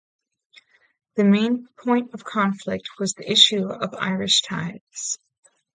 The main point of conflict was the issue of Irish Tithes.